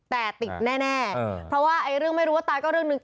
แต่ติดแน่เพราะว่าเรื่องไม่รู้ว่าตายก็เรื่องหนึ่ง